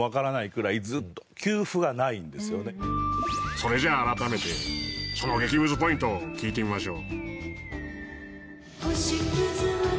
それじゃあ改めてその激ムズポイントを聴いてみましょう。